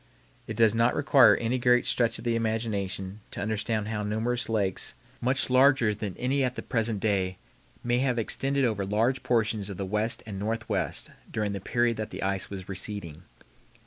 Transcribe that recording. It does not require any great stretch of the imagination to understand how numerous lakes, much larger than any at the present day, may have extended over large portions of the West and Northwest during the period that the ice was receding.